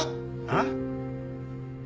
あっ？